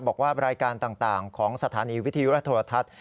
บอกว่ารายการต่างของสถานีวิทยุรัฐโทรทัศน์